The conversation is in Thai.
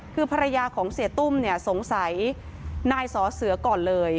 คือภรรยาของเสียตุ้มเนี่ยสงสัยนายสอเสือก่อนเลย